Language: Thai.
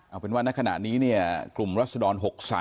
เอาเป็นว่าในขณะนี้กลุ่มรัสดร๖๓